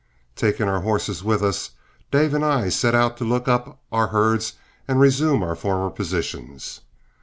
Taking our horses with us, Dave and I set out to look up our herds and resume our former positions.